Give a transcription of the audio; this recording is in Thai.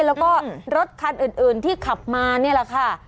แล้วก็รถคันอื่นที่ขับมานี่แหละค่ะ